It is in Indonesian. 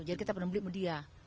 jadi kita pernah beli beli ya